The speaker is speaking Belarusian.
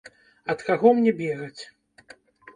Ад каго мне бегаць?